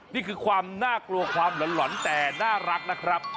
นี่คือความน่ากลัวความหล่อนแต่น่ารักนะครับ